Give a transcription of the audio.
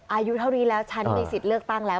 อายุเท่านี้แล้วฉันมีสิทธิ์เลือกตั้งแล้ว